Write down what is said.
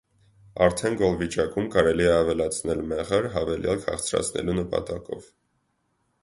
արդեն գոլ վիճակում կարելի է ավելացնել մեղր հավելյալ քաղցրացնելու նպատակով։